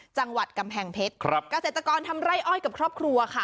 จังหวัดกำแพงเพชรครับเกษตรกรทำไร่อ้อยกับครอบครัวค่ะ